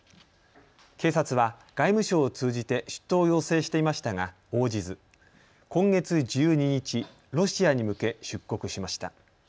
警察は外務省を通じて出頭を要請していましたが応じず、今月１２日、ロシアに向け出国しました。